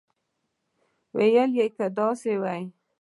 ویل یې که داسې وي.